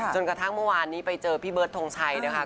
จนกระทั่งเมื่อวานนี้ไปเจอพี่เบิร์ดทงชัยนะคะ